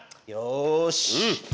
よし！